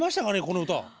この歌。